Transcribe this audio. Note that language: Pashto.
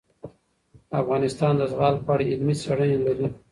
افغانستان د زغال په اړه علمي څېړنې لري.